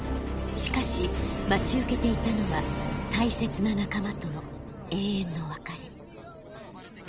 しかし待ち受けていたのは大切な仲間との永遠の別れ。